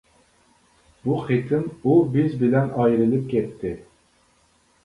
بۇ قېتىم ئۇ بىز بىلەن ئايرىلىپ كەتتى.